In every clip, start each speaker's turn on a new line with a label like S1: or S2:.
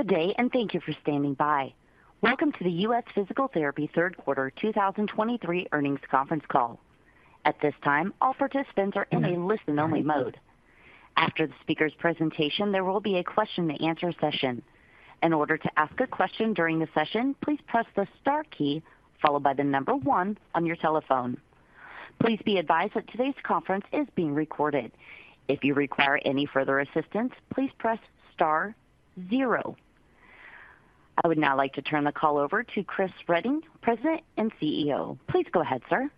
S1: Good day, and thank you for standing by. Welcome to the U.S. Physical Therapy third quarter 2023 earnings conference call. At this time, all participants are in a listen-only mode. After the speaker's presentation, there will be a question-and-answer session. In order to ask a question during the session, please press the star key followed by the number one on your telephone. Please be advised that today's conference is being recorded. If you require any further assistance, please press star zero. I would now like to turn the call over to Chris Reading, President and CEO. Please go ahead, sir.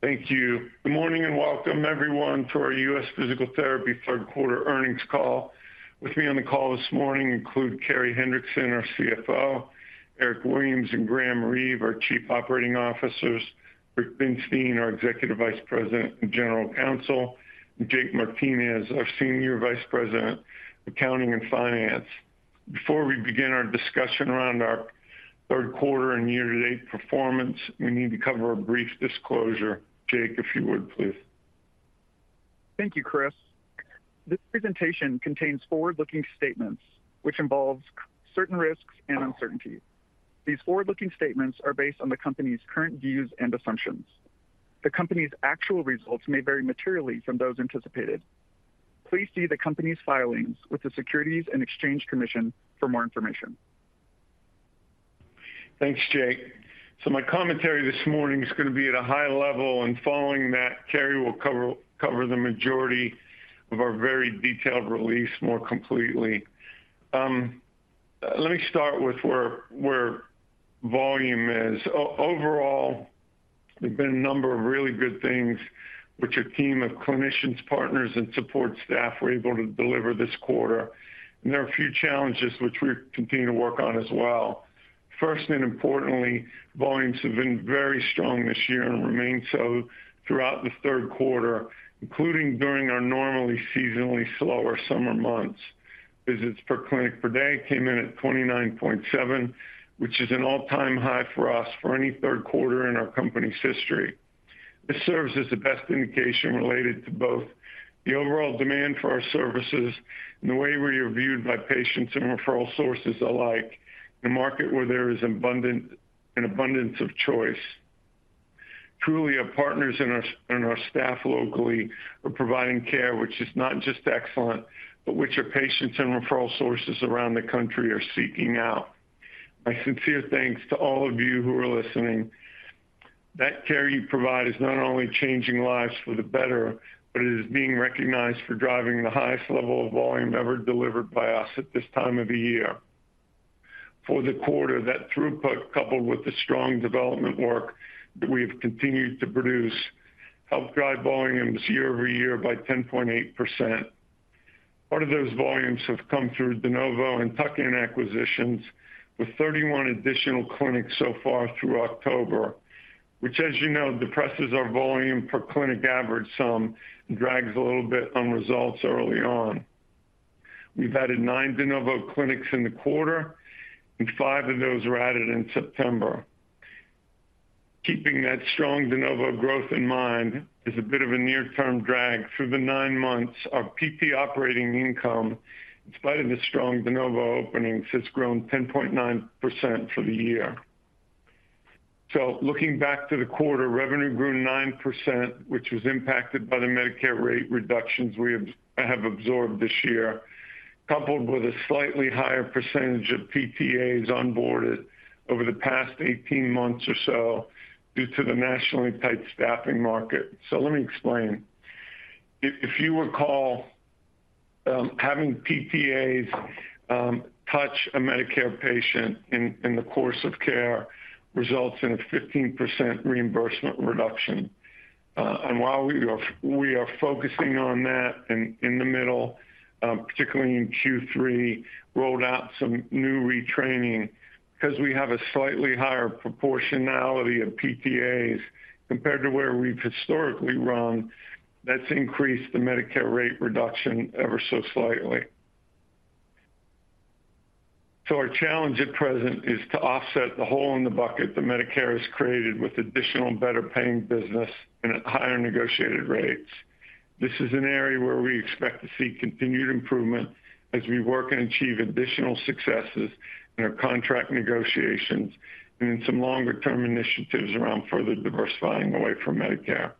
S2: Thank you. Good morning, and welcome everyone to our U.S. Physical Therapy third quarter earnings call. With me on the call this morning include Carey Hendrickson, our CFO, Eric Williams and Graham Reeve, our Chief Operating Officers, Rick Binstein, our Executive Vice President and General Counsel, and Jake Martinez, our Senior Vice President, Accounting and Finance. Before we begin our discussion around our third quarter and year-to-date performance, we need to cover a brief disclosure. Jake, if you would, please.
S3: Thank you, Chris. This presentation contains forward-looking statements, which involve certain risks and uncertainties. These forward-looking statements are based on the company's current views and assumptions. The company's actual results may vary materially from those anticipated. Please see the company's filings with the Securities and Exchange Commission for more information.
S2: Thanks, Jake. So my commentary this morning is gonna be at a high level, and following that, Carey will cover the majority of our very detailed release more completely. Let me start with where volume is. Overall, there have been a number of really good things which our team of clinicians, partners, and support staff were able to deliver this quarter. And there are a few challenges which we continue to work on as well. First, and importantly, volumes have been very strong this year and remained so throughout the third quarter, including during our normally seasonally slower summer months. Visits per clinic per day came in at 29.7, which is an all-time high for us for any third quarter in our company's history. This serves as the best indication related to both the overall demand for our services and the way we are viewed by patients and referral sources alike. The market where there is an abundance of choice. Truly, our partners and our staff locally are providing care which is not just excellent, but which our patients and referral sources around the country are seeking out. My sincere thanks to all of you who are listening. That care you provide is not only changing lives for the better, but it is being recognized for driving the highest level of volume ever delivered by us at this time of the year. For the quarter, that throughput, coupled with the strong development work that we have continued to produce, helped drive volumes year-over-year by 10.8%. Part of those volumes have come through de novo and tuck-in acquisitions, with 31 additional clinics so far through October, which, as you know, depresses our volume per clinic average some and drags a little bit on results early on. We've added nine de novo clinics in the quarter, and five of those were added in September. Keeping that strong de novo growth in mind is a bit of a near-term drag. Through the nine months, our PT operating income, in spite of the strong de novo openings, has grown 10.9% for the year. So looking back to the quarter, revenue grew 9%, which was impacted by the Medicare rate reductions we have absorbed this year, coupled with a slightly higher percentage of PTAs onboarded over the past 18 months or so due to the nationally tight staffing market. So let me explain. If you recall, having PTAs touch a Medicare patient in the course of care results in a 15% reimbursement reduction. And while we are focusing on that in the middle, particularly in Q3, rolled out some new retraining because we have a slightly higher proportionality of PTAs compared to where we've historically run, that's increased the Medicare rate reduction ever so slightly. So our challenge at present is to offset the hole in the bucket that Medicare has created with additional and better-paying business and at higher negotiated rates. This is an area where we expect to see continued improvement as we work and achieve additional successes in our contract negotiations and in some longer-term initiatives around further diversifying away from Medicare.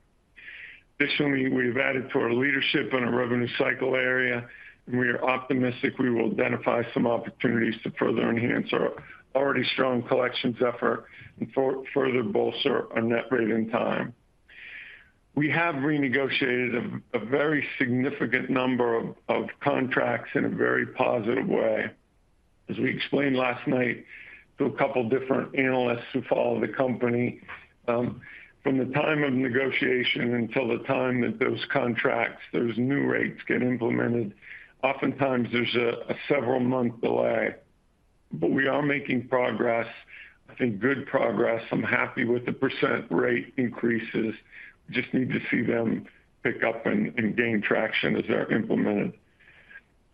S2: Additionally, we've added to our leadership in a revenue cycle area, and we are optimistic we will identify some opportunities to further enhance our already strong collections effort and further bolster our net rate in time. We have renegotiated a very significant number of contracts in a very positive way. As we explained last night to a couple different analysts who follow the company, from the time of negotiation until the time that those contracts, those new rates get implemented, oftentimes there's a several-month delay, but we are making progress, I think good progress. I'm happy with the percent rate increases. Just need to see them pick up and gain traction as they're implemented.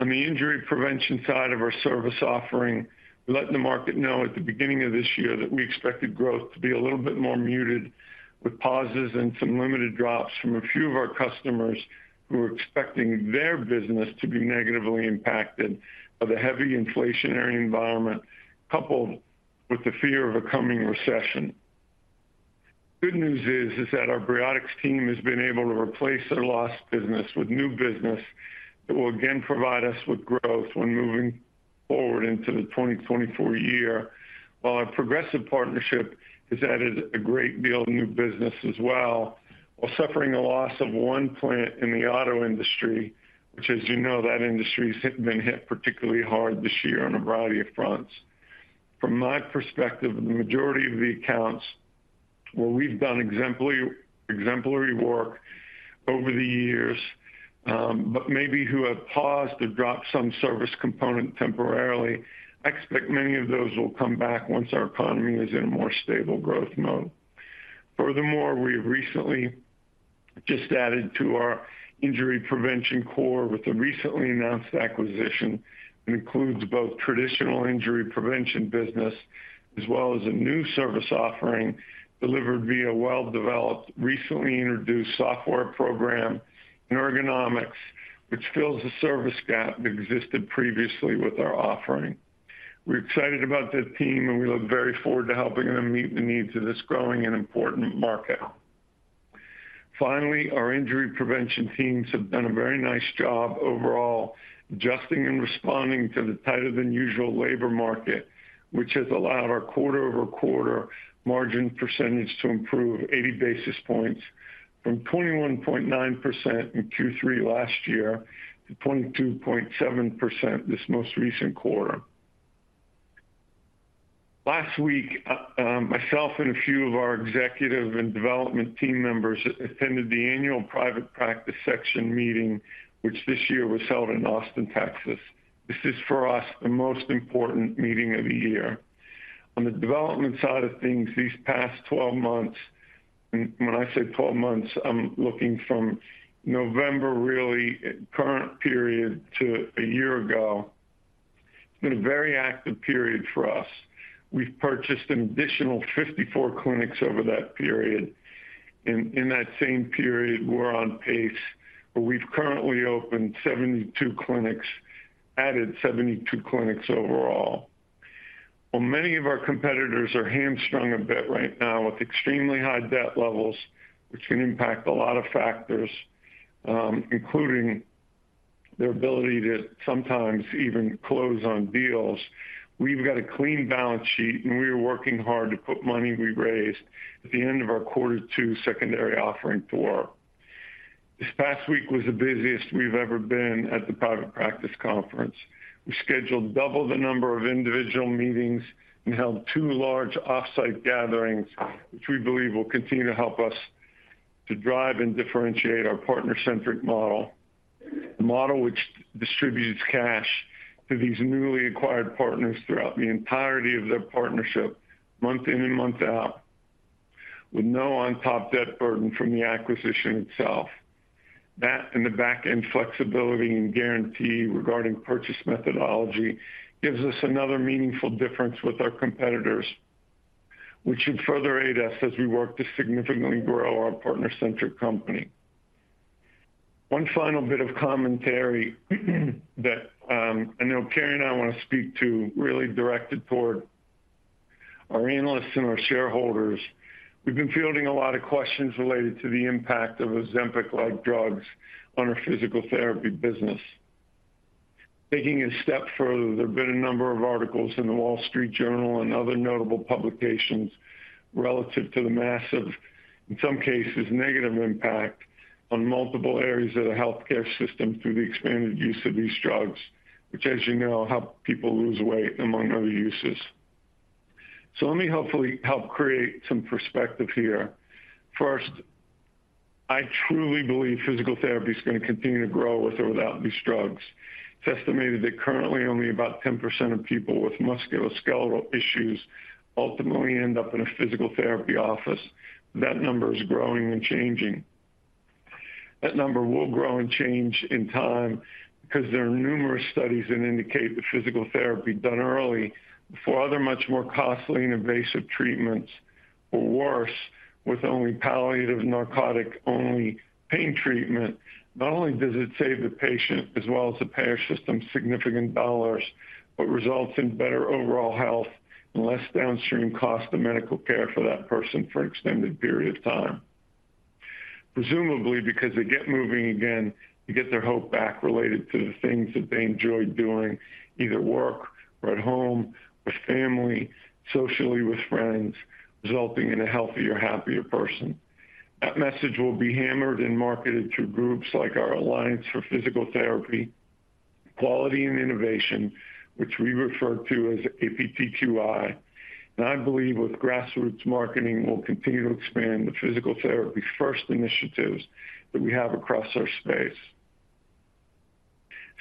S2: On the injury prevention side of our service offering, we let the market know at the beginning of this year that we expected growth to be a little bit more muted, with pauses and some limited drops from a few of our customers who are expecting their business to be negatively impacted by the heavy inflationary environment, coupled with the fear of a coming recession. Good news is, is that our Briotix team has been able to replace their lost business with new business that will again provide us with growth when moving forward into the 2024 year, while our Progressive partnership has added a great deal of new business as well, while suffering a loss of one plant in the auto industry, which, as you know, that industry has been hit particularly hard this year on a variety of fronts. From my perspective, the majority of the accounts where we've done exemplary, exemplary work over the years, but maybe who have paused or dropped some service component temporarily, I expect many of those will come back once our economy is in a more stable growth mode. Furthermore, we have recently just added to our injury prevention core with the recently announced acquisition, and includes both traditional injury prevention business as well as a new service offering delivered via a well-developed, recently introduced software program in ergonomics, which fills the service gap that existed previously with our offering. We're excited about this team, and we look very forward to helping them meet the needs of this growing and important market. Finally, our injury prevention teams have done a very nice job overall, adjusting and responding to the tighter than usual labor market, which has allowed our quarter-over-quarter margin percentage to improve 80 basis points from 21.9% in Q3 last year to 22.7% this most recent quarter. Last week, myself and a few of our executive and development team members attended the annual Private Practice Section Meeting, which this year was held in Austin, Texas. This is, for us, the most important meeting of the year. On the development side of things, these past 12 months, and when I say 12 months, I'm looking from November, really, current period to a year ago, it's been a very active period for us. We've purchased an additional 54 clinics over that period. In that same period, we're on pace, but we've currently opened 72 clinics, added 72 clinics overall. While many of our competitors are hamstrung a bit right now with extremely high debt levels, which can impact a lot of factors, including their ability to sometimes even close on deals, we've got a clean balance sheet, and we are working hard to put money we raised at the end of our quarter two secondary offering to work. This past week was the busiest we've ever been at the Private Practice Conference. We scheduled double the number of individual meetings and held two large off-site gatherings, which we believe will continue to help us to drive and differentiate our partner-centric model. The model which distributes cash to these newly acquired partners throughout the entirety of their partnership, month in and month out, with no on-top debt burden from the acquisition itself. That and the back-end flexibility and guarantee regarding purchase methodology gives us another meaningful difference with our competitors, which should further aid us as we work to significantly grow our partner-centric company. One final bit of commentary, that, I know Carey and I want to speak to, really direct it toward our analysts and our shareholders. We've been fielding a lot of questions related to the impact of Ozempic-like drugs on our physical therapy business. Taking a step further, there have been a number of articles in The Wall Street Journal and other notable publications relative to the massive, in some cases, negative impact on multiple areas of the healthcare system through the expanded use of these drugs, which, as you know, help people lose weight, among other uses. So let me hopefully help create some perspective here. First, I truly believe physical therapy is going to continue to grow with or without these drugs. It's estimated that currently only about 10% of people with musculoskeletal issues ultimately end up in a physical therapy office. That number is growing and changing. That number will grow and change in time because there are numerous studies that indicate that physical therapy done early, before other much more costly and invasive treatments, or worse, with only palliative narcotic-only pain treatment, not only does it save the patient as well as the payer system significant dollars, but results in better overall health and less downstream cost of medical care for that person for an extended period of time. Presumably because they get moving again, they get their hope back related to the things that they enjoyed doing, either at work or at home, with family, socially with friends, resulting in a healthier, happier person. That message will be hammered and marketed through groups like our Alliance for Physical Therapy Quality and Innovation, which we refer to as APTQI. I believe with grassroots marketing, we'll continue to expand the physical therapy first initiatives that we have across our space.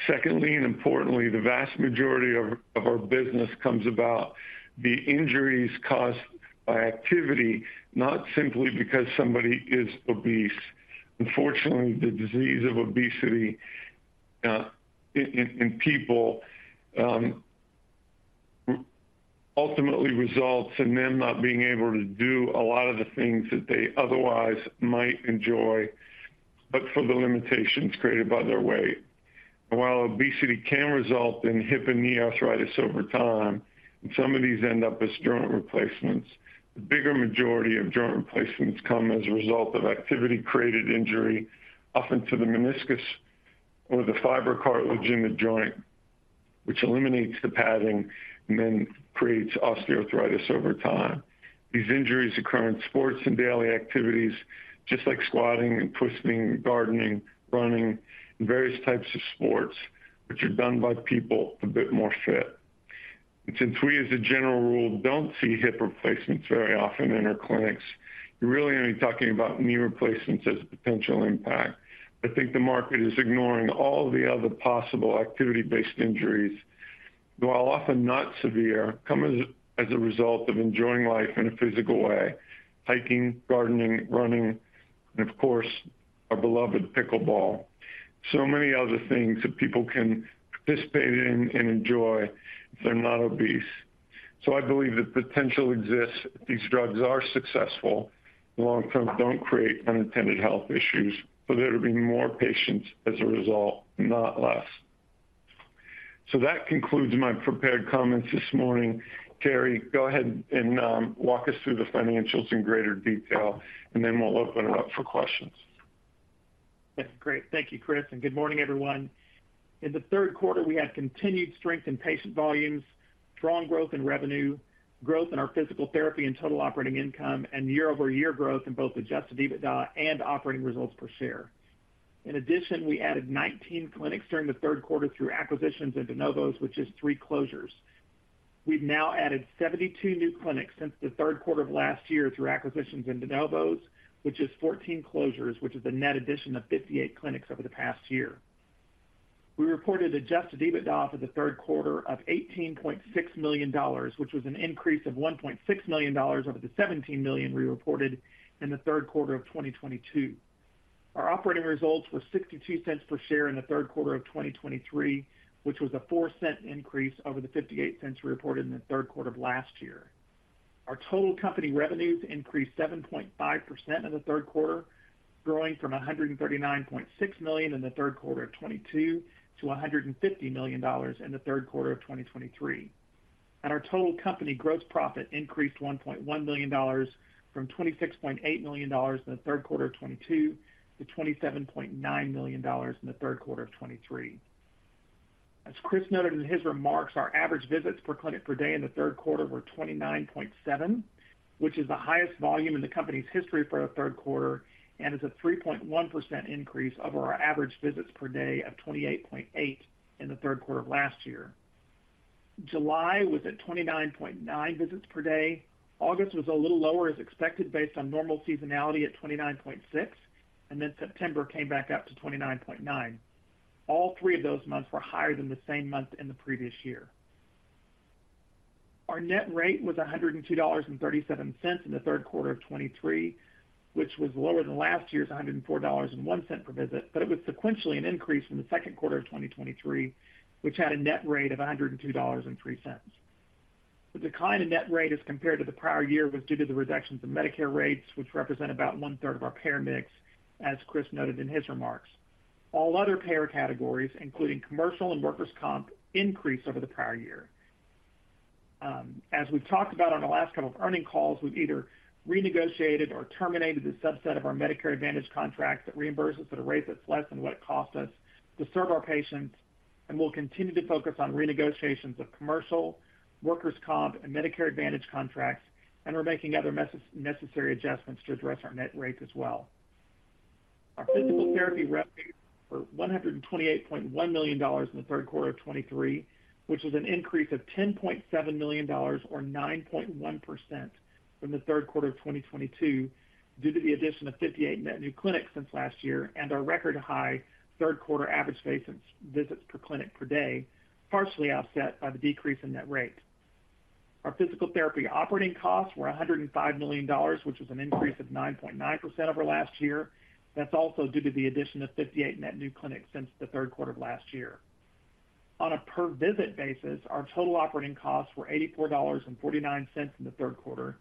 S2: Secondly, and importantly, the vast majority of our business comes about the injuries caused by activity, not simply because somebody is obese. Unfortunately, the disease of obesity in people ultimately results in them not being able to do a lot of the things that they otherwise might enjoy, but for the limitations created by their weight. While obesity can result in hip and knee arthritis over time, and some of these end up as joint replacements, the bigger majority of joint replacements come as a result of activity-created injury, often to the meniscus or the fibrocartilage in the joint, which eliminates the padding and then creates osteoarthritis over time. These injuries occur in sports and daily activities, just like squatting and pushing, gardening, running, and various types of sports, which are done by people a bit more fit. Since we, as a general rule, don't see hip replacements very often in our clinics, you're really only talking about knee replacements as a potential impact. I think the market is ignoring all the other possible activity-based injuries, while often not severe, come as a result of enjoying life in a physical way: hiking, gardening, running, and of course, our beloved pickleball. So many other things that people can participate in and enjoy if they're not obese. I believe that potential exists. If these drugs are successful, long term, don't create unintended health issues, so there will be more patients as a result, not less. That concludes my prepared comments this morning. Carey, go ahead and, walk us through the financials in greater detail, and then we'll open it up for questions.
S4: Great. Thank you, Chris, and good morning, everyone. In the third quarter, we had continued strength in patient volumes, strong growth in revenue, growth in our physical therapy and total operating income, and year-over-year growth in both adjusted EBITDA and operating results per share. In addition, we added 19 clinics during the third quarter through acquisitions and de novos, which is three closures. We've now added 72 new clinics since the third quarter of last year through acquisitions and de novos, which is 14 closures, which is a net addition of 58 clinics over the past year. We reported adjusted EBITDA for the third quarter of $18.6 million, which was an increase of $1.6 million over the $17 million we reported in the third quarter of 2022. Our operating results were $0.62 per share in the third quarter of 2023, which was a $0.04 increase over the $0.58 we reported in the third quarter of last year. Our total company revenues increased 7.5% in the third quarter, growing from $139.6 million in the third quarter of 2022 to $150 million in the third quarter of 2023. Our total company gross profit increased $1.1 million from $26.8 million in the third quarter of 2022 to $27.9 million in the third quarter of 2023. As Chris noted in his remarks, our average visits per clinic per day in the third quarter were 29.7, which is the highest volume in the company's history for a third quarter and is a 3.1% increase over our average visits per day of 28.8 in the third quarter of last year. July was at 29.9 visits per day. August was a little lower as expected, based on normal seasonality at 29.6, and then September came back up to 29.9. All three of those months were higher than the same month in the previous year. Our net rate was $102.37 in the third quarter of 2023, which was lower than last year's $104.01 per visit, but it was sequentially an increase from the second quarter of 2023, which had a net rate of $102.03. The decline in net rate as compared to the prior year was due to the reductions in Medicare rates, which represent about one-third of our payer mix, as Chris noted in his remarks. All other payer categories, including commercial and workers' comp, increased over the prior year. As we've talked about on the last couple of earnings calls, we've either renegotiated or terminated the subset of our Medicare Advantage contract that reimburses at a rate that's less than what it costs us to serve our patients, and we'll continue to focus on renegotiations of commercial, workers' comp, and Medicare Advantage contracts, and we're making other necessary adjustments to address our net rate as well. Our physical therapy revenue for $128.1 million in the third quarter of 2023, which is an increase of $10.7 million or 9.1% from the third quarter of 2022, due to the addition of 58 net new clinics since last year and our record high third quarter average patient visits per clinic per day, partially offset by the decrease in net rate. Our physical therapy operating costs were $105 million, which is an increase of 9.9% over last year. That's also due to the addition of 58 net new clinics since the third quarter of last year. On a per visit basis, our total operating costs were $84.49 in the third quarter,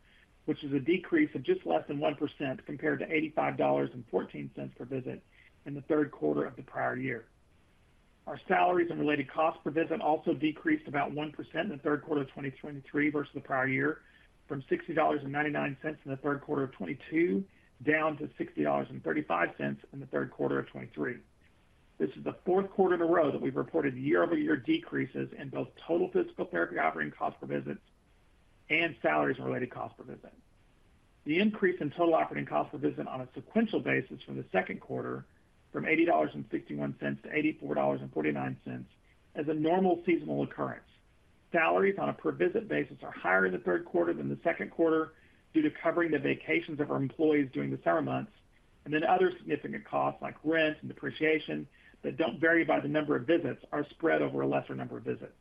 S4: which is a decrease of just less than 1% compared to $85.14 per visit in the third quarter of the prior year. Our salaries and related costs per visit also decreased about 1% in the third quarter of 2023 versus the prior year, from $60.99 in the third quarter of 2022, down to $60.35 in the third quarter of 2023. This is the fourth quarter in a row that we've reported year-over-year decreases in both total physical therapy operating costs per visit and salaries and related costs per visit. The increase in total operating costs per visit on a sequential basis from the second quarter, from $80.61 to $84.49, is a normal seasonal occurrence. Salaries on a per visit basis are higher in the third quarter than the second quarter due to covering the vacations of our employees during the summer months, and then other significant costs like rent and depreciation, that don't vary by the number of visits, are spread over a lesser number of visits.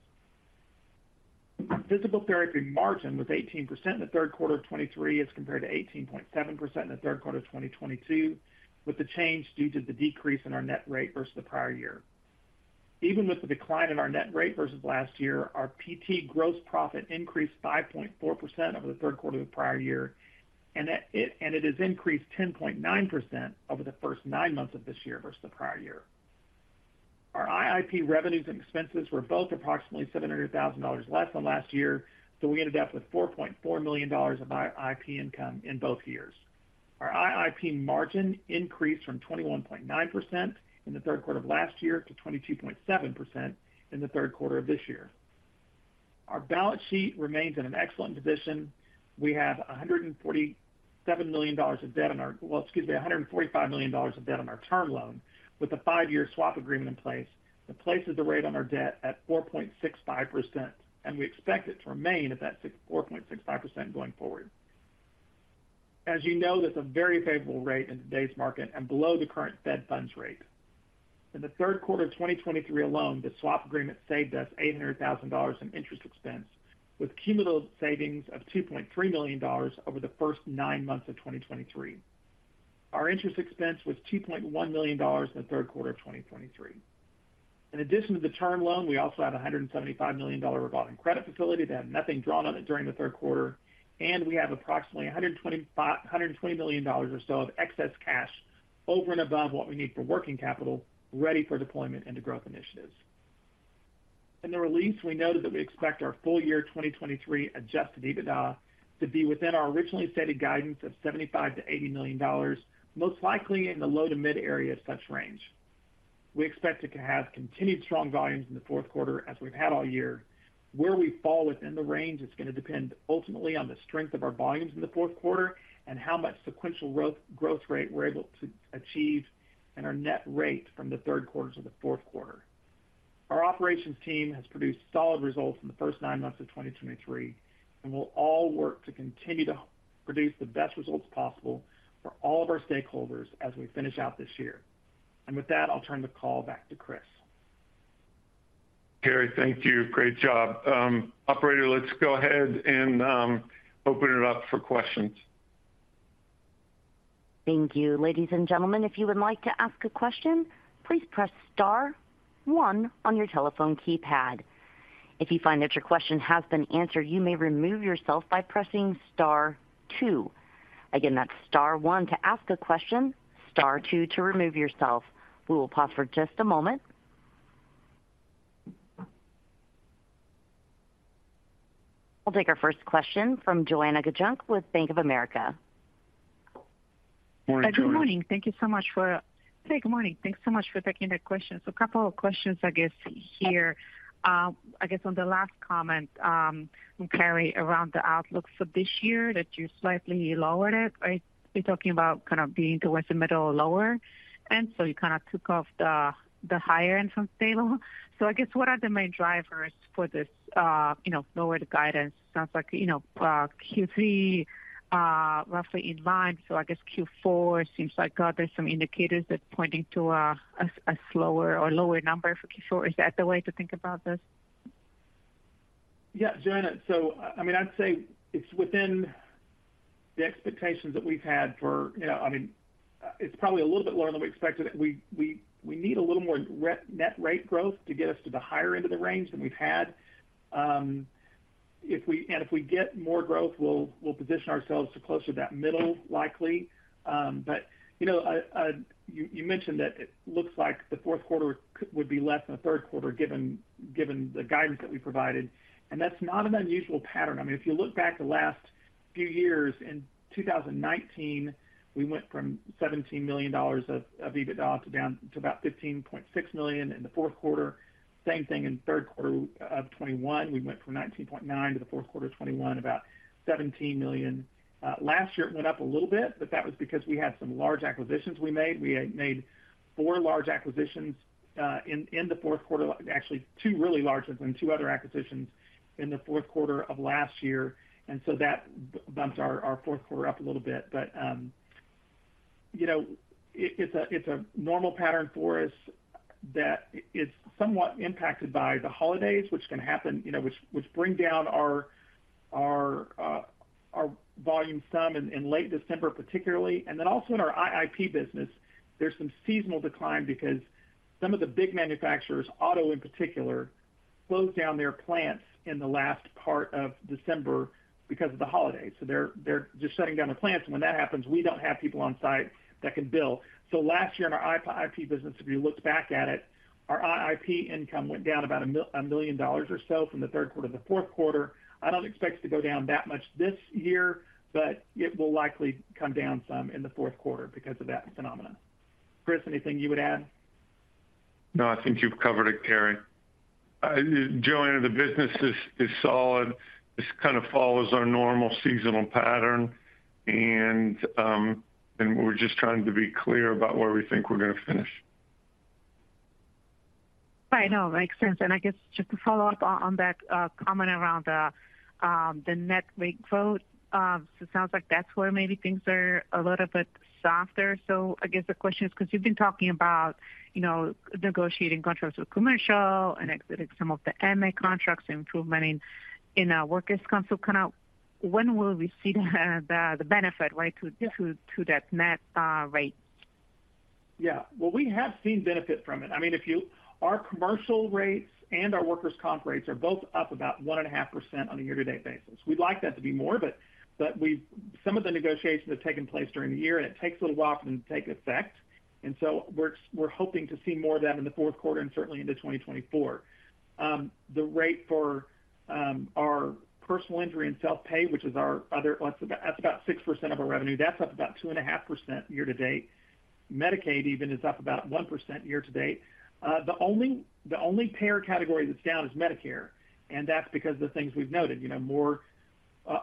S4: Physical therapy margin was 18% in the third quarter of 2023, as compared to 18.7% in the third quarter of 2022, with the change due to the decrease in our net rate versus the prior year. Even with the decline in our net rate versus last year, our PT gross profit increased 5.4% over the third quarter of the prior year, and it has increased 10.9% over the first nine months of this year versus the prior year. Our IIP revenues and expenses were both approximately $700,000 less than last year, so we ended up with $4.4 million of IIP income in both years. Our IIP margin increased from 21.9% in the third quarter of last year to 22.7% in the third quarter of this year. Our balance sheet remains in an excellent position. We have a $147 million of debt on our, well, excuse me, a $145 million of debt on our term loan, with a five-year swap agreement in place, that places the rate on our debt at 4.65%, and we expect it to remain at that 4.65% going forward. As you know, that's a very favorable rate in today's market and below the current Fed funds rate. In the third quarter of 2023 alone, the swap agreement saved us $800,000 in interest expense, with cumulative savings of $2.3 million over the first nine months of 2023. Our interest expense was $2.1 million in the third quarter of 2023. In addition to the term loan, we also had a $175 million revolving credit facility that had nothing drawn on it during the third quarter, and we have approximately $125-$120 million or so of excess cash over and above what we need for working capital, ready for deployment into growth initiatives. In the release, we noted that we expect our full year 2023 adjusted EBITDA to be within our originally stated guidance of $75 million-$80 million, most likely in the low to mid area of such range. We expect to have continued strong volumes in the fourth quarter as we've had all year. Where we fall within the range is gonna depend ultimately on the strength of our volumes in the fourth quarter and how much sequential growth, growth rate we're able to achieve and our net rate from the third quarter to the fourth quarter. Our operations team has produced solid results in the first nine months of 2023, and we'll all work to continue to produce the best results possible for all of our stakeholders as we finish out this year. With that, I'll turn the call back to Chris.
S2: Carey, thank you. Great job. Operator, let's go ahead and open it up for questions.
S1: Thank you. Ladies and gentlemen, if you would like to ask a question, please press star one on your telephone keypad. If you find that your question has been answered, you may remove yourself by pressing star two. Again, that's star one to ask a question, star two to remove yourself. We will pause for just a moment. I'll take our first question from Joanna Gajuk with Bank of America.
S2: Morning, Joanna.
S5: Good morning. Hey, good morning. Thanks so much for taking the questions. A couple of questions, I guess, here. I guess on the last comment, Carey, around the outlook for this year, that you slightly lowered it, right? You're talking about kind of being towards the middle or lower, and so you kind of took off the higher end from table. So I guess, what are the main drivers for this, you know, lower the guidance? Sounds like, you know, Q3, roughly in line, so I guess Q4 seems like there's some indicators that's pointing to a slower or lower number for Q4. Is that the way to think about this?
S4: Yeah, Joanna. So, I mean, I'd say it's within the expectations that we've had for, you know, I mean, it's probably a little bit lower than we expected it. We need a little more net rate growth to get us to the higher end of the range than we've had. If we get more growth, we'll position ourselves to closer to that middle, likely. But, you know, you mentioned that it looks like the fourth quarter would be less than the third quarter, given the guidance that we provided, and that's not an unusual pattern. I mean, if you look back the last few years, in 2019, we went from $17 million of EBITDA to down to about $15.6 million in the fourth quarter. Same thing in third quarter of 2021, we went from $19.9 million to the fourth quarter 2021, about $17 million. Last year, it went up a little bit, but that was because we had some large acquisitions we made. We had made four large acquisitions in the fourth quarter. Actually, two really large ones and two other acquisitions in the fourth quarter of last year, and so that bumps our fourth quarter up a little bit. But, you know, it's a normal pattern for us that is somewhat impacted by the holidays, which can happen, you know, which bring down our volume some in late December, particularly. Then also in our IIP business, there's some seasonal decline because some of the big manufacturers, auto in particular, close down their plants in the last part of December because of the holidays. So they're, they're just shutting down the plants, and when that happens, we don't have people on site that can bill. So last year, in our IIP business, if you look back at it, our IIP income went down about $1 million or so from the third quarter to the fourth quarter. I don't expect it to go down that much this year, but it will likely come down some in the fourth quarter because of that phenomenon. Chris, anything you would add?
S2: No, I think you've covered it, Carey. Joanna, the business is solid. This kind of follows our normal seasonal pattern, and we're just trying to be clear about where we think we're gonna finish.
S5: I know, makes sense. And I guess just to follow up on that comment around the net rate growth. So it sounds like that's where maybe things are a little bit softer. So I guess the question is, because you've been talking about, you know, negotiating contracts with commercial and exiting some of the MA contracts, improvement in our workers' comp. Kind of when will we see the benefit, right, to that net rate?
S4: Yeah. Well, we have seen benefit from it. I mean, if you. Our commercial rates and our workers' comp rates are both up about 1.5% on a year-to-date basis. We'd like that to be more, but we've. Some of the negotiations have taken place during the year, and it takes a little while for them to take effect. And so we're hoping to see more of that in the fourth quarter and certainly into 2024. The rate for our personal injury and self-pay, which is our other, well, that's about 6% of our revenue, that's up about 2.5% year to date. Medicaid even is up about 1% year to date. The only payer category that's down is Medicare, and that's because of the things we've noted. You know,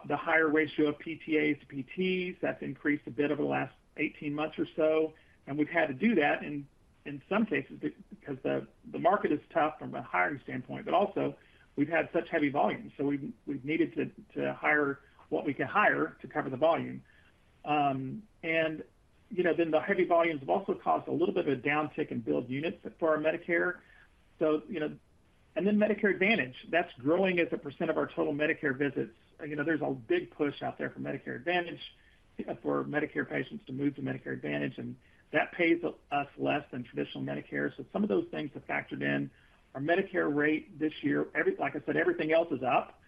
S4: the higher ratio of PTAs to PTs, that's increased a bit over the last 18 months or so, and we've had to do that in some cases because the market is tough from a hiring standpoint, but also we've had such heavy volumes, so we've needed to hire what we can hire to cover the volume. And, you know, then the heavy volumes have also caused a little bit of a downtick in billed units for our Medicare. So, you know, and then Medicare Advantage, that's growing as a percent of our total Medicare visits. You know, there's a big push out there for Medicare Advantage, for Medicare patients to move to Medicare Advantage, and that pays us less than traditional Medicare. So some of those things have factored in. Our Medicare rate this year, like I said, everything else is up.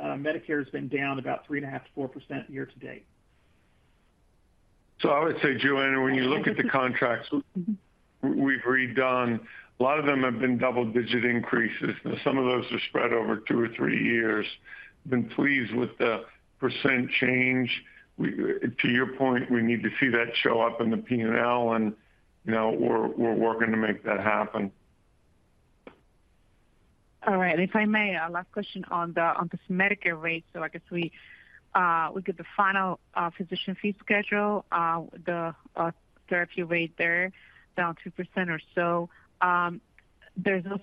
S4: Medicare has been down about 3.5%-4% year to date.
S2: So I would say, Joanna, when you look at the contracts we've redone, a lot of them have been double-digit increases. Some of those are spread over two or three years. We've been pleased with the percent change. We, to your point, we need to see that show up in the P&L, and, you know, we're, we're working to make that happen.
S5: All right. And if I may, a last question on this Medicare rate. So I guess we get the final physician fee schedule, the therapy rate there, down 2% or so. There's no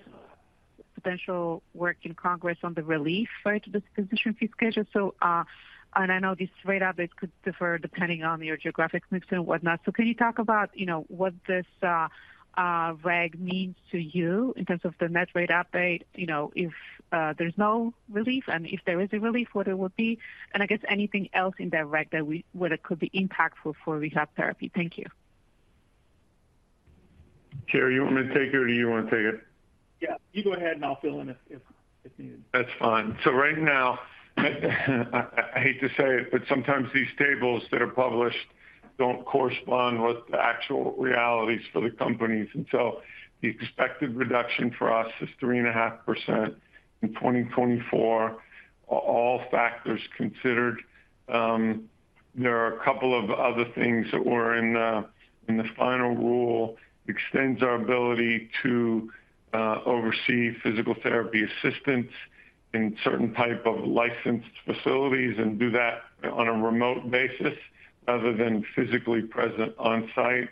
S5: potential work in Congress on the relief right to this physician fee schedule, so, and I know this rate update could differ depending on your geographic mix and whatnot. So can you talk about, you know, what this reg means to you in terms of the net rate update? You know, if there's no relief, and if there is a relief, what it would be, and I guess anything else in that reg that we, what it could be impactful for rehab therapy. Thank you.
S2: Carey, you want me to take it or do you want to take it?
S4: Yeah, you go ahead and I'll fill in if needed.
S2: That's fine. So right now, I hate to say it, but sometimes these tables that are published don't correspond with the actual realities for the companies. And so the expected reduction for us is 3.5% in 2024, all factors considered. There are a couple of other things that were in the final rule, extends our ability to oversee physical therapy assistants in certain type of licensed facilities and do that on a remote basis other than physically present on site.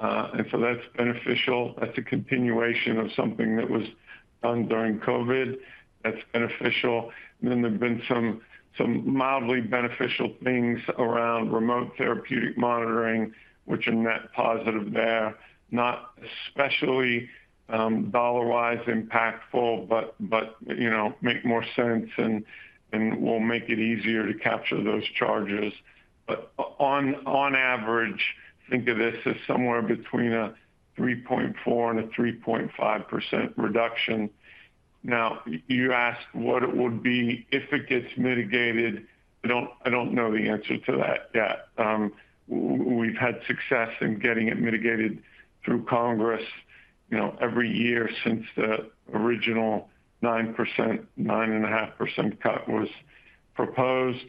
S2: And so that's beneficial. That's a continuation of something that was done during COVID. That's beneficial. Then there have been some mildly beneficial things around remote therapeutic monitoring, which are net positive there. Not especially dollar-wise impactful, but you know, make more sense and will make it easier to capture those charges. But on average, think of this as somewhere between a 3.4% and a 3.5% reduction. Now, you asked what it would be if it gets mitigated. I don't know the answer to that yet. We've had success in getting it mitigated through Congress, you know, every year since the original 9%, 9.5% cut was proposed,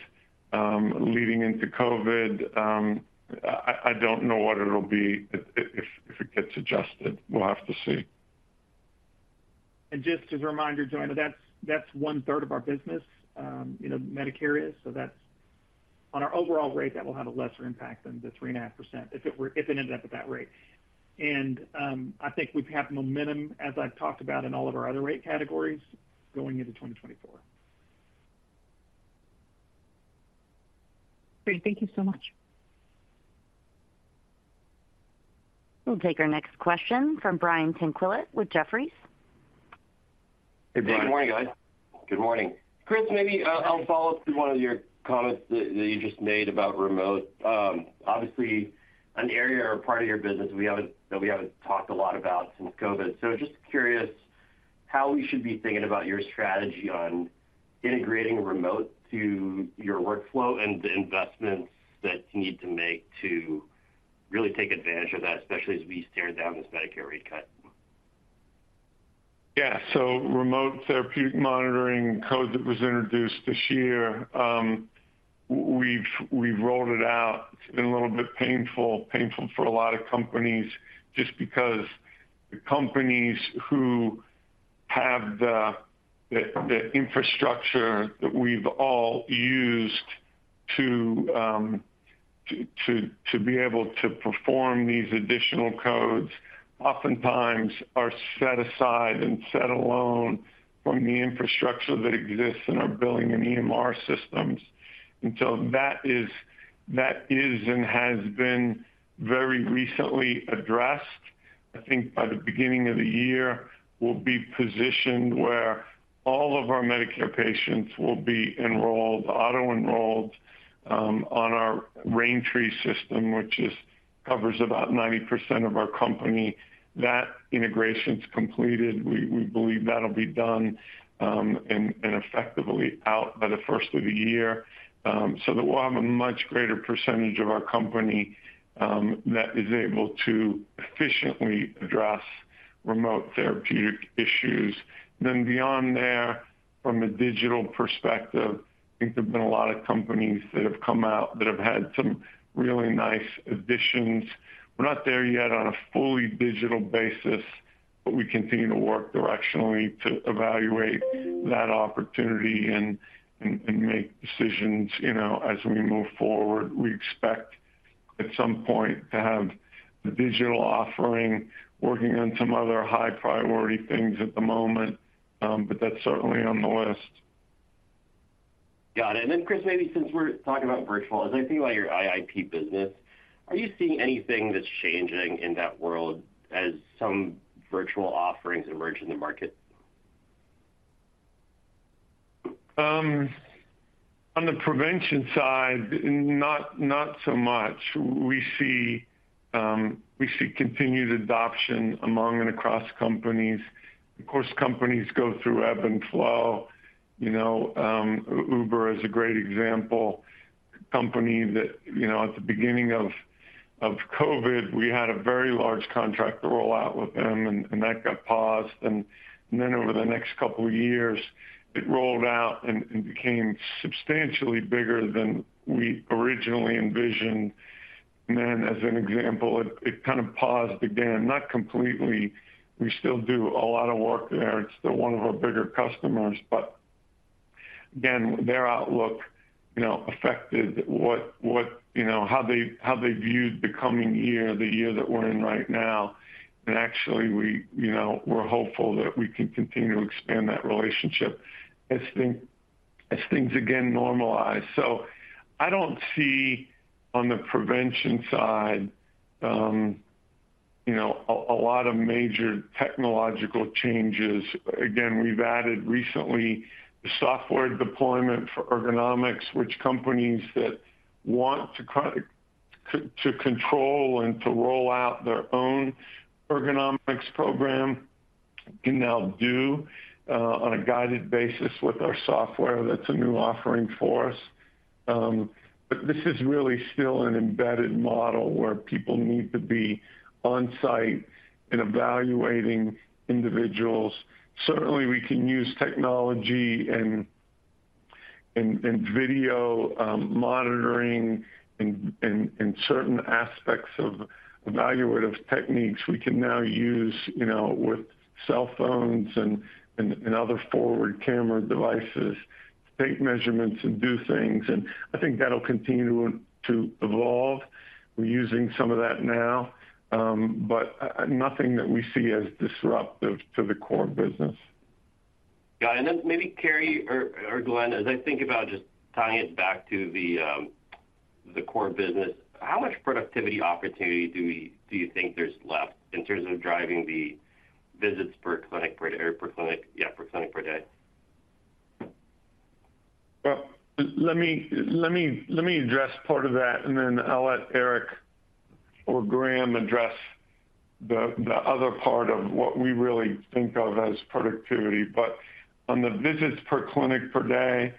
S2: leading into COVID. I don't know what it'll be if it gets adjusted. We'll have to see.
S4: Just as a reminder, Joanna, that's, that's one-third of our business, you know, Medicare is, so that's... On our overall rate, that will have a lesser impact than the 3.5%, if it were, if it ended up at that rate. And, I think we have momentum, as I've talked about in all of our other rate categories, going into 2024.
S5: Great. Thank you so much.
S1: We'll take our next question from Brian Tanquilut with Jefferies.
S6: Good morning, guys.
S2: Good morning.
S6: Chris, maybe I'll follow up to one of your comments that you just made about remote. Obviously, an area or part of your business that we haven't talked a lot about since COVID. So just curious how we should be thinking about your strategy on integrating remote to your workflow and the investments that you need to make to really take advantage of that, especially as we stare down this Medicare rate cut?
S2: Yeah, so remote therapeutic monitoring code that was introduced this year, we've rolled it out. It's been a little bit painful for a lot of companies just because the companies who have the infrastructure that we've all used to to be able to perform these additional codes oftentimes are set aside and set alone from the infrastructure that exists in our billing and EMR systems. And so that is and has been very recently addressed. I think by the beginning of the year, we'll be positioned where all of our Medicare patients will be enrolled, auto-enrolled, on our Raintree system, which covers about 90% of our company. That integration's completed. We believe that'll be done and effectively out by the first of the year, so that we'll have a much greater percentage of our company that is able to efficiently address remote therapeutic issues. Then beyond there, from a digital perspective, I think there have been a lot of companies that have come out that have had some really nice additions. We're not there yet on a fully digital basis, but we continue to work directionally to evaluate that opportunity and make decisions, you know, as we move forward. We expect, at some point, to have the digital offering working on some other high priority things at the moment, but that's certainly on the list.
S6: Got it. Then, Chris, maybe since we're talking about virtual, as I think about your IIP business, are you seeing anything that's changing in that world as some virtual offerings emerge in the market?
S2: On the prevention side, not so much. We see, we see continued adoption among and across companies. Of course, companies go through ebb and flow. You know, Uber is a great example, a company that, you know, at the beginning of COVID, we had a very large contract to roll out with them, and that got paused. And then over the next couple of years, it rolled out and became substantially bigger than we originally envisioned. Then, as an example, it kind of paused again, not completely. We still do a lot of work there. It's still one of our bigger customers, but again, their outlook, you know, affected what, you know, how they viewed the coming year, the year that we're in right now. Actually, we, you know, we're hopeful that we can continue to expand that relationship as things again normalize. So I don't see, on the prevention side, you know, a lot of major technological changes. Again, we've added recently the software deployment for ergonomics, which companies that want to kind of control and to roll out their own ergonomics program can now do, on a guided basis with our software. That's a new offering for us. But this is really still an embedded model where people need to be on-site and evaluating individuals. Certainly, we can use technology and video monitoring and certain aspects of evaluative techniques we can now use, you know, with cell phones and other forward camera devices, take measurements and do things, and I think that'll continue to evolve. We're using some of that now, but nothing that we see as disruptive to the core business.
S6: Got it. And then maybe Carey or Glenn, as I think about just tying it back to the core business, how much productivity opportunity do you think there's left in terms of driving the visits per clinic per day, or per clinic, yeah, per clinic per day?
S2: Well, let me address part of that, and then I'll let Eric or Graham address the other part of what we really think of as productivity. But on the visits per clinic per day,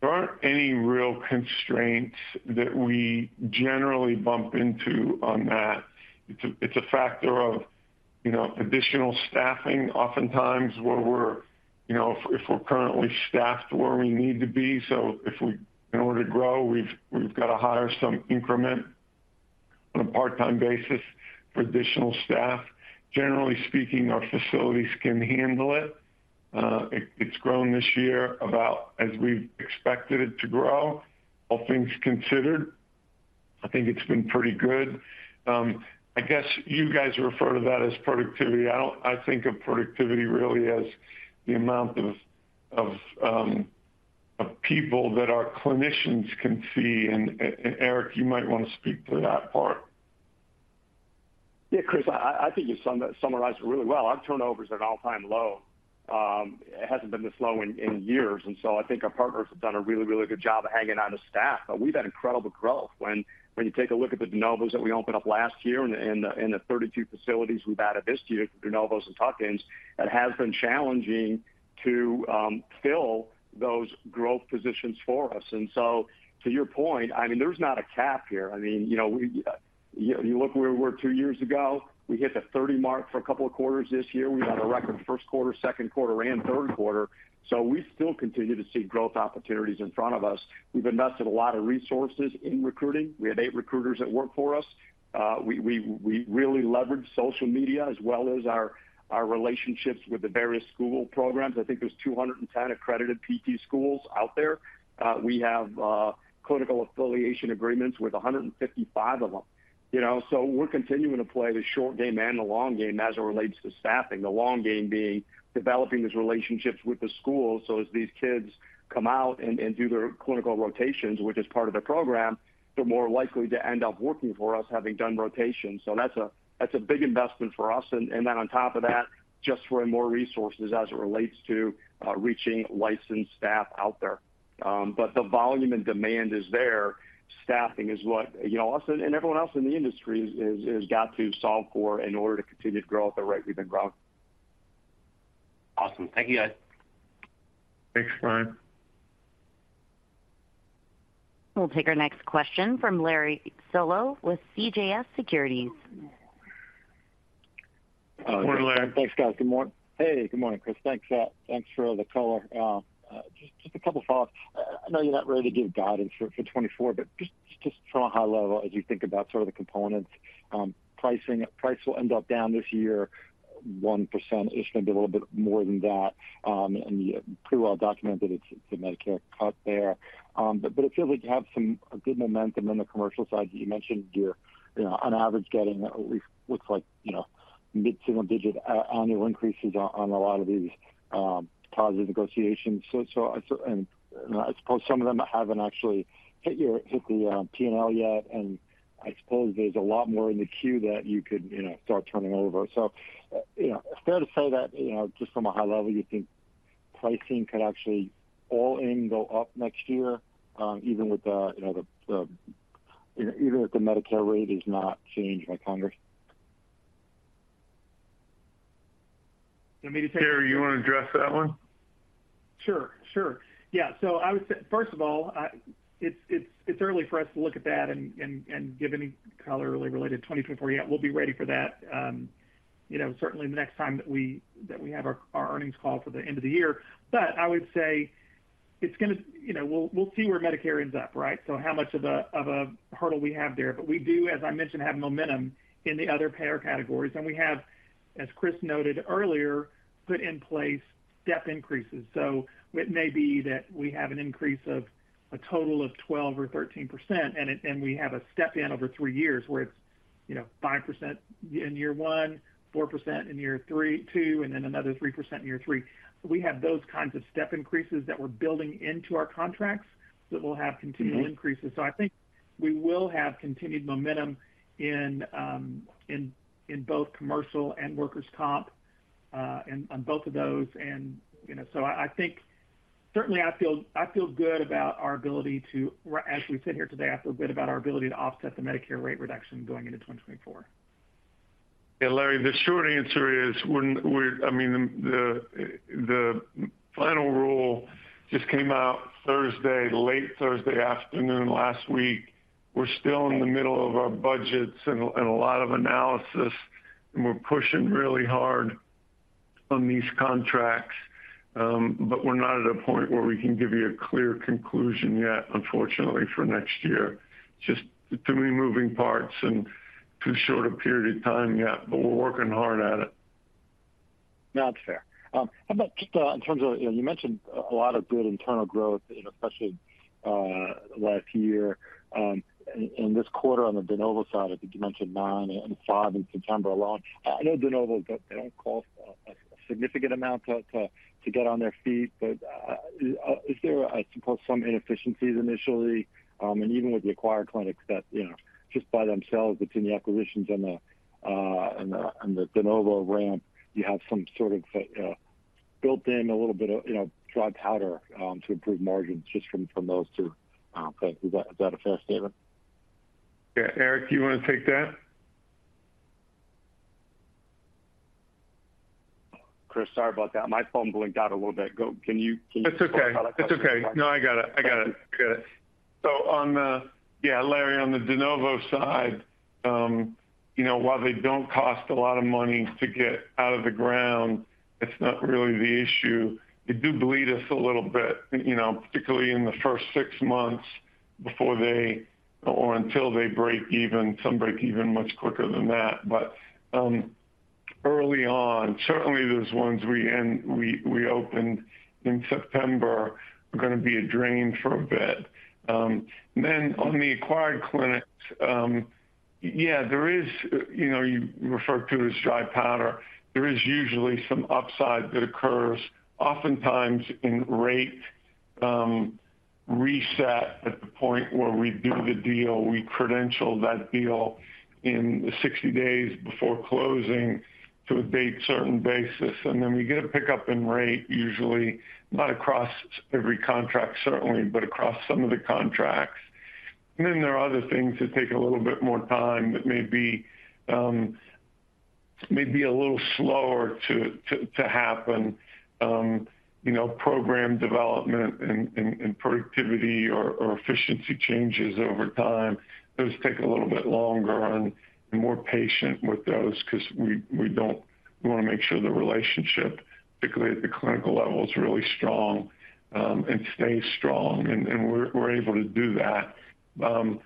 S2: there aren't any real constraints that we generally bump into on that. It's a factor of, you know, additional staffing oftentimes, where we're, you know, if we're currently staffed where we need to be. In order to grow, we've got to hire some increment on a part-time basis for additional staff. Generally speaking, our facilities can handle it. It's grown this year about as we expected it to grow, all things considered. I think it's been pretty good. I guess you guys refer to that as productivity. I think of productivity really as the amount of people that our clinicians can see, and Eric, you might want to speak to that part.
S7: Yeah, Chris, I think you summarized it really well. Our turnover is at an all-time low. It hasn't been this low in years, and so I think our partners have done a really, really good job of hanging on to staff. But we've had incredible growth. When you take a look at the de novos that we opened up last year and the 32 facilities we've added this year, de novos and tuck-ins, it has been challenging to fill those growth positions for us. And so to your point, I mean, there's not a cap here. I mean, you know, we, you look where we were two years ago, we hit the 30 mark for a couple of quarters this year. We had a record first quarter, second quarter, and third quarter, so we still continue to see growth opportunities in front of us. We've invested a lot of resources in recruiting. We have eight recruiters that work for us. We really leverage social media as well as our relationships with the various school programs. I think there's 210 accredited PT schools out there. We have clinical affiliation agreements with 155 of them. You know, so we're continuing to play the short game and the long game as it relates to staffing. The long game being developing these relationships with the schools, so as these kids come out and do their clinical rotations, which is part of the program, they're more likely to end up working for us, having done rotations. So that's a big investment for us. And then on top of that, just throwing more resources as it relates to reaching licensed staff out there. But the volume and demand is there. Staffing is what, you know, us and everyone else in the industry has got to solve for in order to continue to grow at the rate we've been growing.
S6: Awesome. Thank you, guys.
S2: Thanks, Brian.
S1: We'll take our next question from Larry Solow with CJS Securities.
S4: Good morning, Larry.
S8: Thanks, guys. Good morning. Hey, good morning, Chris. Thanks, thanks for the color. Just, just a couple thoughts. I know you're not ready to give guidance for 2024, but just, just from a high level, as you think about sort of the components, pricing. Price will end up down this year, 1%. It's just gonna be a little bit more than that, and you pretty well documented it, the Medicare cut there. But, but it feels like you have some good momentum in the commercial side. You mentioned you're, you know, on average, getting at least, looks like, you know, mid-single digit annual increases on a lot of these positive negotiations. You know, I suppose some of them haven't actually hit the P&L yet, and I suppose there's a lot more in the queue that you could, you know, start turning over. So, you know, fair to say that, you know, just from a high level, you think pricing could actually all in go up next year, even with the, you know, even if the Medicare rate is not changed by Congress?
S4: You want me to take-
S2: Carey, you want to address that one?
S4: Sure, sure. Yeah, so I would say, first of all, it's early for us to look at that and give any color early related 2024 yet. We'll be ready for that, you know, certainly the next time that we have our earnings call for the end of the year. But I would say it's gonna... You know, we'll see where Medicare ends up, right? So how much of a hurdle we have there. But we do, as I mentioned, have momentum in the other payer categories, and we have, as Chris noted earlier, put in place step increases. So it may be that we have an increase of a total of 12% or 13%, and we have a step in over three years, where it's, you know, 5% in year one, 4% in year two, and then another 3% in year three. We have those kinds of step increases that we're building into our contracts that will have continual increases. So I think we will have continued momentum in both commercial and workers' comp, on both of those. And, you know, so I think... Certainly, I feel good about our ability to, as we sit here today, I feel good about our ability to offset the Medicare rate reduction going into 2024.
S2: Yeah, Larry, the short answer is we're—I mean, the final rule just came out Thursday, late Thursday afternoon, last week. We're still in the middle of our budgets and a lot of analysis, and we're pushing really hard on these contracts, but we're not at a point where we can give you a clear conclusion yet, unfortunately, for next year. Just too many moving parts and too short a period of time yet, but we're working hard at it.
S8: No, that's fair. How about just, in terms of, you know, you mentioned a lot of good internal growth, you know, especially, last year, in this quarter on the de novo side, I think you mentioned nine and five in September alone. I know de novo, they don't cost a significant amount to get on their feet, but, is there, I suppose, some inefficiencies initially, and even with the acquired clinics that, you know, just by themselves, between the acquisitions and the de novo ramp, you have some sort of, built in a little bit of, you know, dry powder, to improve margins just from those two? Thanks. Is that a fair statement?
S2: Yeah. Eric, do you want to take that?
S4: Chris, sorry about that. My phone blinked out a little bit. Go-- Can you-
S2: It's okay No, I got it. I got it. Good. So on the... Yeah, Larry, on the de novo side, you know, while they don't cost a lot of money to get out of the ground, it's not really the issue. They do bleed us a little bit, you know, particularly in the first six months before they or until they break even. Some break even much quicker than that. But early on, certainly, those ones we opened in September are gonna be a drain for a bit. Then on the acquired clinics, yeah, there is, you know, you referred to as dry powder. There is usually some upside that occurs, oftentimes in rate reset at the point where we do the deal. We credential that deal in 60 days before closing to a date certain basis, and then we get a pickup in rate, usually, not across every contract, certainly, but across some of the contracts. Then there are other things that take a little bit more time, that may be a little slower to happen. You know, program development and productivity or efficiency changes over time, those take a little bit longer and more patient with those because we don't. We wanna make sure the relationship, particularly at the clinical level, is really strong and stays strong, and we're able to do that. But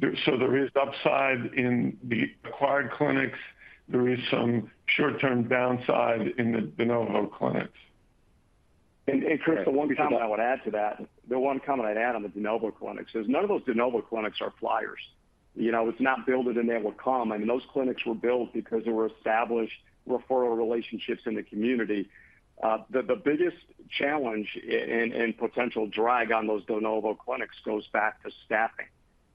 S2: there. So there is upside in the acquired clinics. There is some short-term downside in the de novo clinics.
S4: Chris, the one comment I would add to that, the one comment I'd add on the de novo clinics is none of those de novo clinics are flyers. You know, it's not build it, and they will come. I mean, those clinics were built because there were established referral relationships in the community. The biggest challenge and potential drag on those de novo clinics goes back to staffing.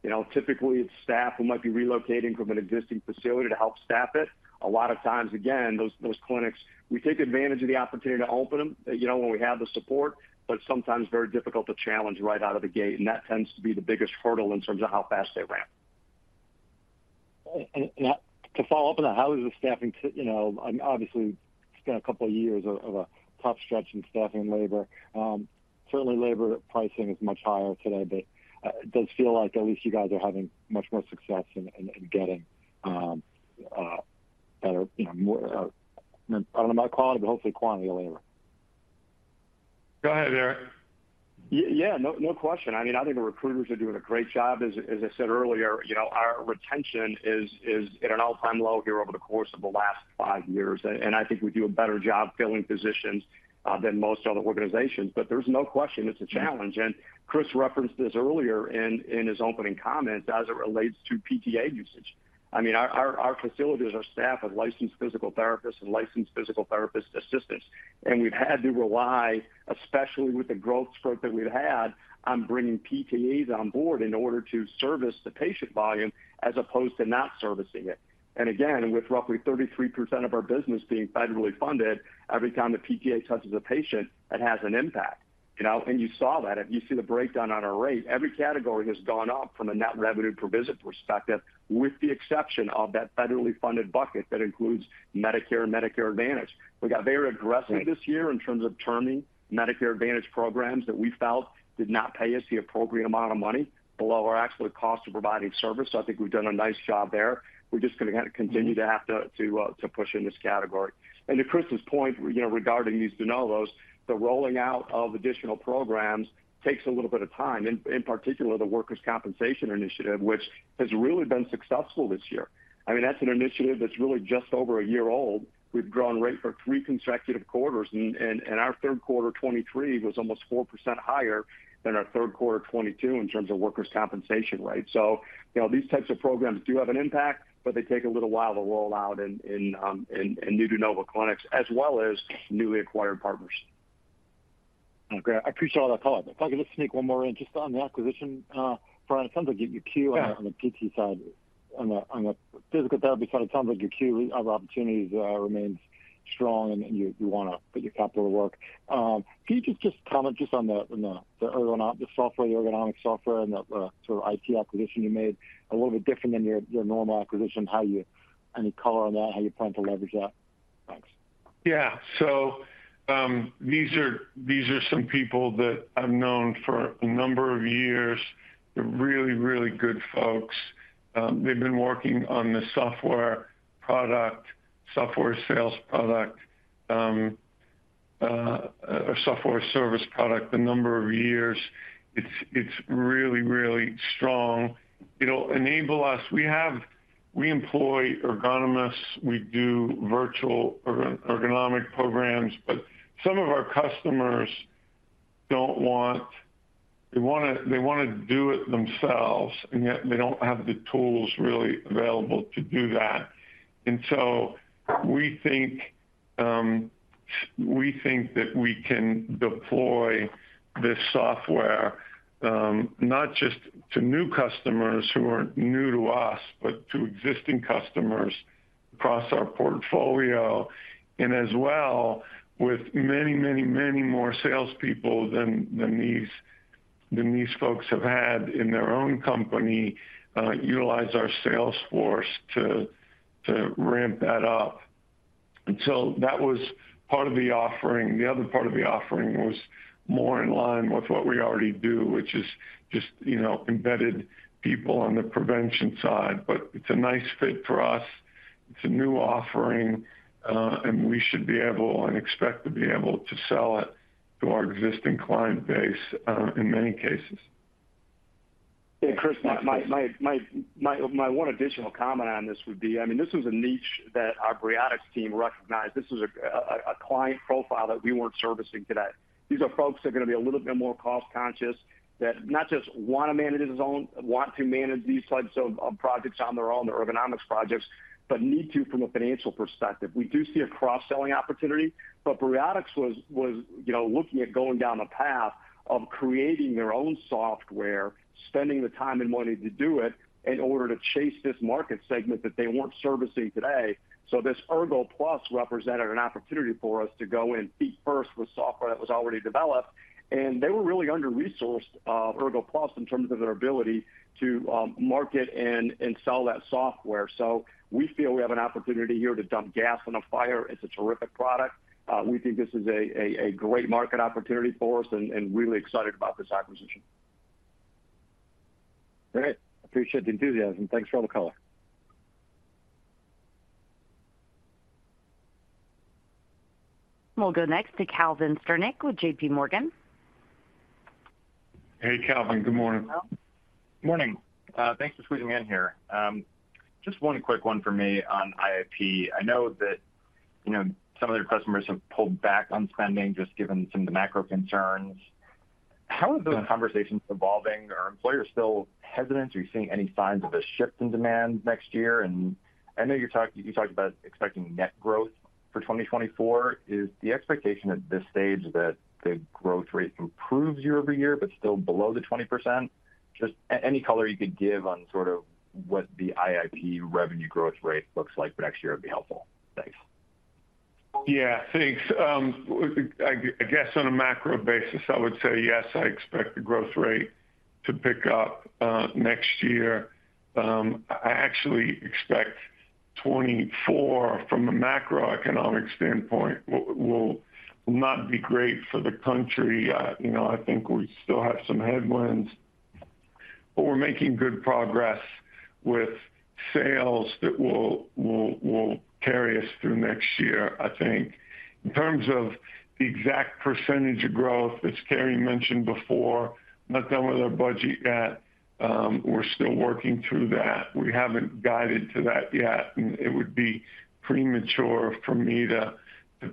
S4: You know, typically, it's staff who might be relocating from an existing facility to help staff it. A lot of times, again, those clinics, we take advantage of the opportunity to open them, you know, when we have the support, but sometimes very difficult to challenge right out of the gate, and that tends to be the biggest hurdle in terms of how fast they ramp.
S8: To follow up on that, how is the staffing, you know, obviously, it's been a couple of years of a tough stretch in staffing and labor. Certainly labor pricing is much higher today, but it does feel like at least you guys are having much more success in getting better, you know, more. I don't know about quality, but hopefully quantity of labor.
S2: Go ahead, Eric.
S7: Yeah, no, no question. I mean, I think the recruiters are doing a great job. As I said earlier, you know, our retention is at an all-time low here over the course of the last five years. And I think we do a better job filling positions than most other organizations. But there's no question it's a challenge, and Chris referenced this earlier in his opening comments as it relates to PTA usage. I mean, our facilities, our staff have licensed physical therapists and licensed physical therapist assistants. And we've had to rely, especially with the growth spurt that we've had, on bringing PTAs on board in order to service the patient volume as opposed to not servicing it. And again, with roughly 33% of our business being federally funded, every time a PTA touches a patient, it has an impact. You know, and you saw that. If you see the breakdown on our rate, every category has gone up from a net revenue per visit perspective, with the exception of that federally funded bucket that includes Medicare and Medicare Advantage. We got very aggressive-
S8: Right
S7: This year in terms of terming Medicare Advantage programs that we felt did not pay us the appropriate amount of money below our actual cost of providing service. So I think we've done a nice job there. We're just gonna have to continue to have to push in this category. And to Chris's point, you know, regarding these de novos, the rolling out of additional programs takes a little bit of time, in particular, the workers' compensation initiative, which has really been successful this year. I mean, that's an initiative that's really just over a year old. We've grown rate for three consecutive quarters, and our third quarter 2023 was almost 4% higher than our third quarter 2022 in terms of workers' compensation rate. So you know, these types of programs do have an impact, but they take a little while to roll out in new de novo clinics, as well as newly acquired partners.
S8: Okay, I appreciate all that color. If I could just sneak one more in, just on the acquisition. Chris, it sounds like your queue-
S2: Yeah
S8: On the PT side, on the physical therapy side, it sounds like your queue of opportunities remains strong, and you wanna put your capital to work. Can you just comment on the ergonomic software and the sort of IT acquisition you made, a little bit different than your normal acquisition, how you... Any color on that, how you plan to leverage that? Thanks.
S2: Yeah. So, these are some people that I've known for a number of years. They're really, really good folks. They've been working on this software product, software sales product, a software service product, a number of years. It's really, really strong. It'll enable us. We have. We employ ergonomists. We do virtual ergonomic programs, but some of our customers don't want. They wanna, they wanna do it themselves, and yet they don't have the tools really available to do that. And so we think that we can deploy this software, not just to new customers who are new to us, but to existing customers across our portfolio, and as well, with many, many, many more salespeople than these folks have had in their own company, utilize our sales force to ramp that up. That was part of the offering. The other part of the offering was more in line with what we already do, which is just, you know, embedded people on the prevention side. But it's a nice fit for us. It's a new offering, and we should be able and expect to be able to sell it to our existing client base, in many cases.
S7: Yeah, Chris, my one additional comment on this would be, I mean, this was a niche that our Briotix team recognized. This was a client profile that we weren't servicing today. These are folks that are gonna be a little bit more cost conscious, that not just wanna manage their own, want to manage these types of projects on their own, the ergonomics projects, but need to from a financial perspective. We do see a cross-selling opportunity, but Briotix was, you know, looking at going down a path of creating their own software, spending the time and money to do it, in order to chase this market segment that they weren't servicing today. So this ErgoPlus represented an opportunity for us to go in feet first with software that was already developed, and they were really under-resourced, ErgoPlus, in terms of their ability to market and sell that software. So we feel we have an opportunity here to dump gas on a fire. It's a terrific product. We think this is a great market opportunity for us and really excited about this acquisition.
S8: Great. Appreciate the enthusiasm. Thanks for all the color.
S1: We'll go next to Calvin Sternick with JPMorgan.
S7: Hey, Calvin, good morning.
S9: Hello. Morning. Thanks for squeezing me in here. Just one quick one for me on IIP. I know that, you know, some of your customers have pulled back on spending, just given some of the macro concerns.
S7: Yeah.
S9: How are those conversations evolving? Are employers still hesitant, or are you seeing any signs of a shift in demand next year? I know you talked, you talked about expecting net growth for 2024. Is the expectation at this stage that the growth rate improves year-over-year, but still below the 20%? Just any color you could give on sort of what the IIP revenue growth rate looks like for next year would be helpful. Thanks.
S2: Yeah, thanks. I guess on a macro basis, I would say yes, I expect the growth rate to pick up next year. I actually expect 2024, from a macroeconomic standpoint, will not be great for the country. You know, I think we still have some headwinds, but we're making good progress with sales that will carry us through next year, I think. In terms of the exact percentage of growth, as Carey mentioned before, not done with our budget yet. We're still working through that. We haven't guided to that yet, and it would be premature for me to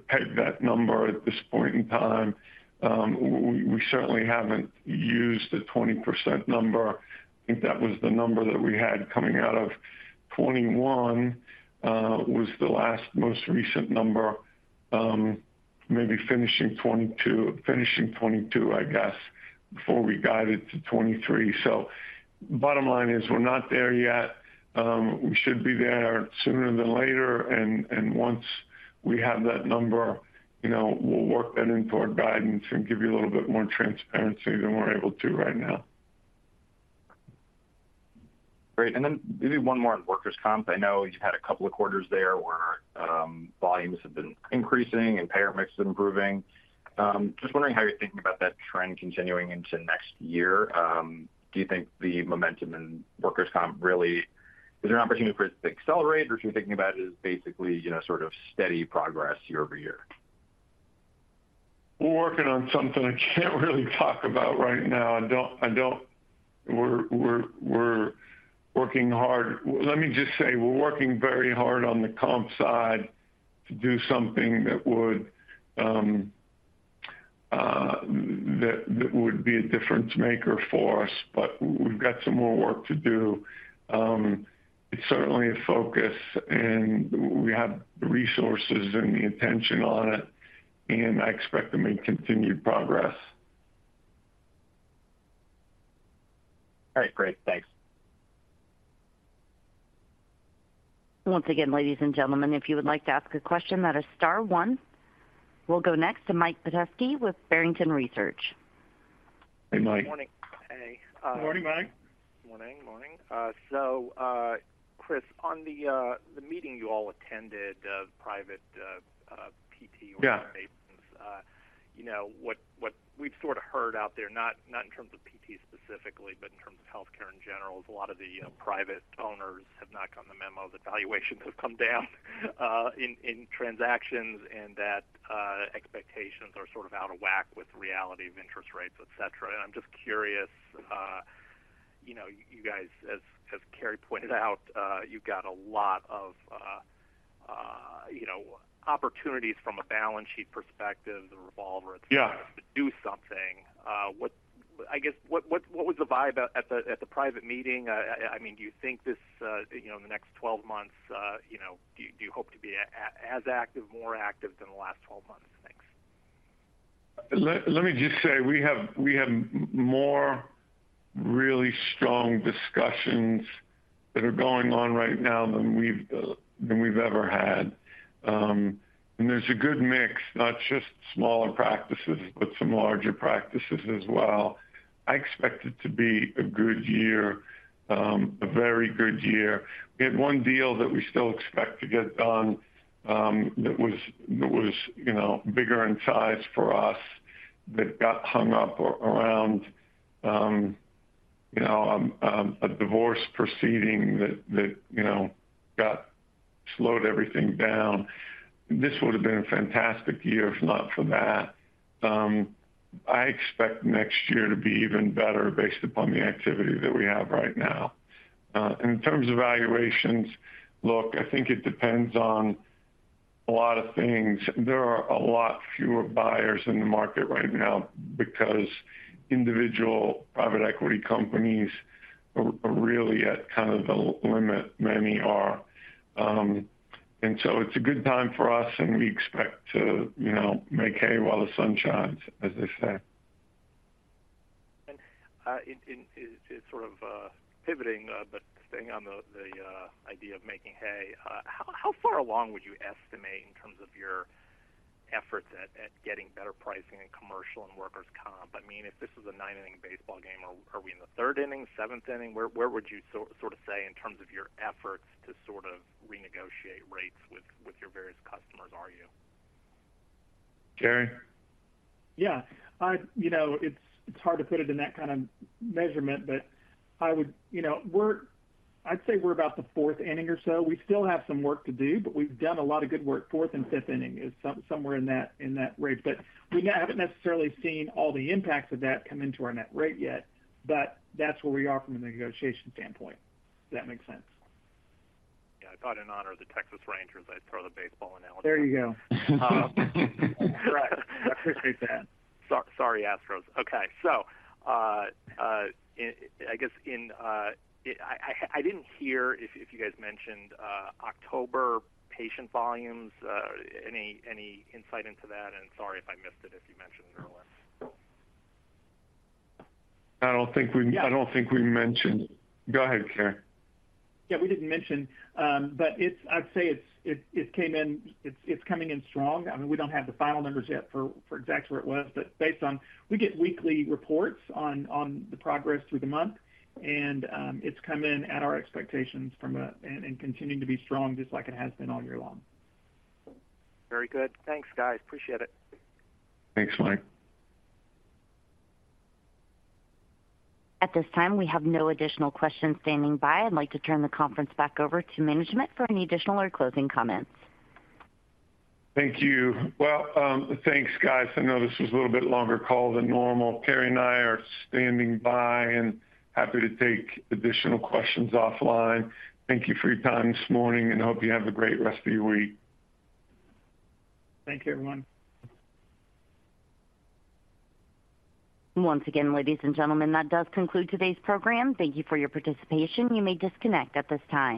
S2: peg that number at this point in time. We certainly haven't used the 20% number. I think that was the number that we had coming out of 2021, was the last most recent number, maybe finishing 2022, I guess, before we guided to 2023. So bottom line is, we're not there yet. We should be there sooner than later, and once we have that number, you know, we'll work that into our guidance and give you a little bit more transparency than we're able to right now.
S9: Great. And then maybe one more on workers' comp. I know you've had a couple of quarters there where volumes have been increasing and payer mix is improving. Just wondering how you're thinking about that trend continuing into next year. Do you think the momentum in workers' comp really... Is there an opportunity for it to accelerate, or if you're thinking about it as basically, you know, sort of steady progress year over year?
S2: We're working on something I can't really talk about right now. We're working hard. Let me just say, we're working very hard on the comp side to do something that would be a difference maker for us, but we've got some more work to do. It's certainly a focus, and we have the resources and the intention on it, and I expect to make continued progress.
S9: All right, great. Thanks.
S1: Once again, ladies and gentlemen, if you would like to ask a question, that is star one. We'll go next to Mike Petusky with Barrington Research.
S2: Hey, Mike.
S10: Good morning. Hey,
S2: Good morning, Mike.
S10: Morning, morning. So, Chris, on the meeting you all attended, private PT organization.
S2: Yeah.
S10: You know, what we've sort of heard out there, not in terms of PT specifically, but in terms of healthcare in general, is a lot of the private owners have not gotten the memo that valuations have come down in transactions, and that expectations are sort of out of whack with the reality of interest rates, et cetera. And I'm just curious, you know, you guys, as Carey pointed out, you've got a lot of you know, opportunities from a balance sheet perspective, the revolver-
S2: Yeah
S10: To do something. What, I guess, what was the vibe at the private meeting? I mean, do you think this, you know, in the next 12 months, you know, do you hope to be as active, more active than the last 12 months? Thanks.
S2: Let me just say, we have more really strong discussions that are going on right now than we've ever had. And there's a good mix, not just smaller practices, but some larger practices as well. I expect it to be a good year, a very good year. We had one deal that we still expect to get done, that was, you know, bigger in size for us, that got hung up around, you know, a divorce proceeding that, you know, got slowed everything down. This would have been a fantastic year, if not for that. I expect next year to be even better based upon the activity that we have right now. In terms of valuations, look, I think it depends on a lot of things. There are a lot fewer buyers in the market right now because individual private equity companies are really at kind of the limit. Many are. And so it's a good time for us, and we expect to, you know, make hay while the sun shines, as they say.
S10: Sort of pivoting, but staying on the idea of making hay, how far along would you estimate in terms of your efforts at getting better pricing in commercial and workers' comp? I mean, if this was a nine-inning baseball game, are we in the third inning, seventh inning? Where would you sort of say in terms of your efforts to sort of renegotiate rates with your various customers, are you?
S2: Carey?
S4: Yeah. You know, it's hard to put it in that kind of measurement, but I would. You know, I'd say we're about the fourth inning or so. We still have some work to do, but we've done a lot of good work. Fourth and fifth inning is somewhere in that range, but we haven't necessarily seen all the impacts of that come into our net rate yet, but that's where we are from a negotiation standpoint. Does that make sense?
S10: Yeah. I thought in honor of the Texas Rangers, I'd throw the baseball analogy.
S4: There you go.
S10: Correct. I appreciate that. Sorry, Astros. Okay, so, I guess I didn't hear if you guys mentioned October patient volumes, any insight into that? And sorry if I missed it, if you mentioned it earlier.
S2: I don't think we- I don't think we mentioned. Go ahead, Carey.
S4: Yeah, we didn't mention, but it's—I'd say it's coming in strong. I mean, we don't have the final numbers yet for exactly where it was, but based on... We get weekly reports on the progress through the month, and it's come in at our expectations from a- and continuing to be strong, just like it has been all year long.
S10: Very good. Thanks, guys. Appreciate it.
S2: Thanks, Mike.
S1: At this time, we have no additional questions standing by. I'd like to turn the conference back over to management for any additional or closing comments.
S2: Thank you. Well, thanks, guys. I know this was a little bit longer call than normal. Carey and I are standing by and happy to take additional questions offline. Thank you for your time this morning, and I hope you have a great rest of your week.
S4: Thank you, everyone.
S1: Once again, ladies and gentlemen, that does conclude today's program. Thank you for your participation. You may disconnect at this time.